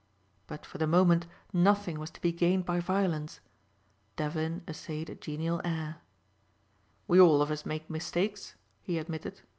But for the moment nothing was to be gained by violence. Devlin essayed a genial air. "We all of us make mistakes," he admitted.